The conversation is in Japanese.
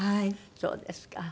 そうですか。